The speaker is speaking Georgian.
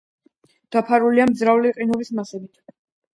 დაფარულია მძლავრი ყინულის მასებით.